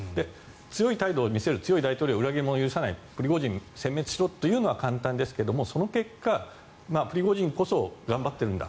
強い態度を見せる裏切り者を許さないプリゴジンをせん滅するというのは簡単ですがその結果、プリゴジン氏こそ頑張っているんだ